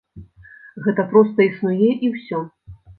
Гэта проста існуе і ўсё.